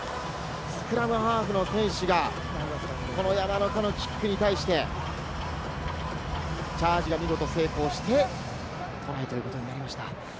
スクラムハーフの選手が山中のキックに対して、チャージが見事成功してトライということになりました。